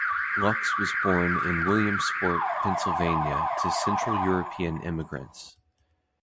Luks was born in Williamsport, Pennsylvania, to Central European immigrants.